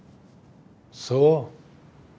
そう。